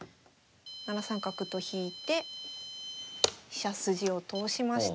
７三角と引いて飛車筋を通しました。